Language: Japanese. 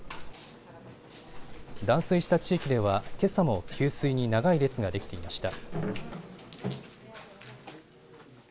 断水した地域では、けさも給水に長い列ができていました。